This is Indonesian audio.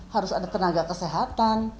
harus ada tenaga kesehatan